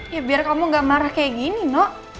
ya biar kamu gak marah kayak gini no